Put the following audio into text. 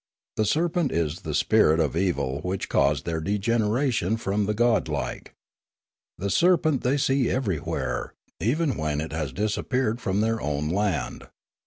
The serpent is the spirit of evil which caused their degeneration from the godlike. The serpent they see everywhere, even when it has disappeared from their own land.